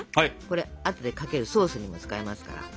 これあとでかけるソースにも使えますから。